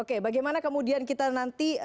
oke bagaimana kemudian kita nanti